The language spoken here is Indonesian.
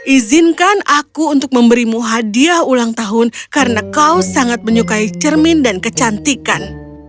izinkan aku untuk memberimu hadiah ulang tahun karena kau sangat menyukai cermin dan kecantikan